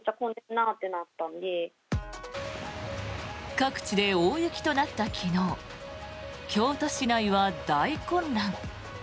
各地で大雪となった昨日京都市内は大混乱。